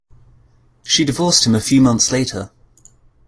She divorced him a few months later.